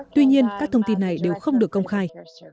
tuy nhiên các thông tin này đều không được công khai